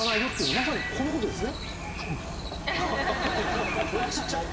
まさにこの事ですね？